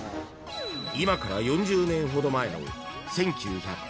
［今から４０年ほど前の］